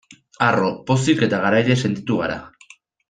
Harro, pozik eta garaile sentitu gara.